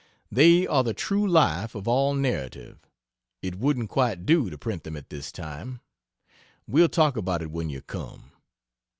They are the true life of all narrative. It wouldn't quite do to print them at this time. We'll talk about it when you come.